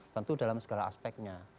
tentu dalam segala aspeknya